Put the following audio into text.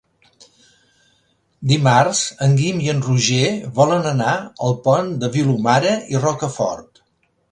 Dimarts en Guim i en Roger volen anar al Pont de Vilomara i Rocafort.